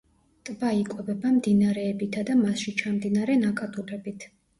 ტბა იკვებება მდინარეებითა და მასში ჩამდინარე ნაკადულებით.